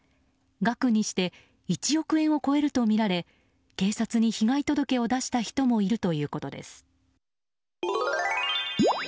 額にして１億円を超えるとみられ警察に被害届を出した人もいるということです。